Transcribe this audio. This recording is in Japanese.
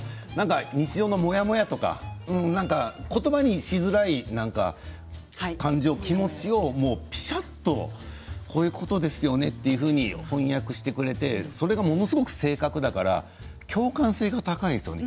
日常のモヤモヤとか言葉にしづらい何か感情、気持ちをぴしゃっとこういうことですよねというふうに翻訳してくれてそれがものすごく正確だから共感性が高いんですよね。